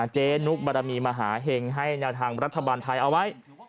เจ๊นุกบารมีมหาเห็งให้แนวทางรัฐบาลไทยเอาไว้